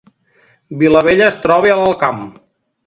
Vilabella es troba a l’Alt Camp